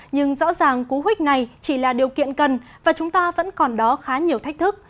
nhưng rõ ràng cú huyết này chỉ là điều kiện cần và chúng ta vẫn còn đó khá nhiều thách thức